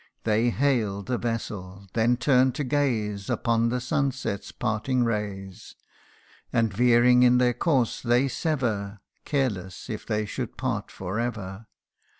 They hail the vessel, then turn to gaze Upon the sunset's parting rays ; CANTO IV. 141 And veering in their course, they sever, Careless if they should part for ever